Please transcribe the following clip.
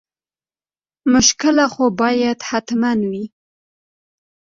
مشکله خو باید حتما وي.